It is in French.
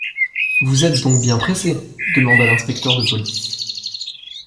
Vous êtes donc bien pressé? demanda l’inspecteur de police.